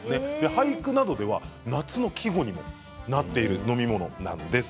俳句などでは夏の季語にもなっている飲み物なんです。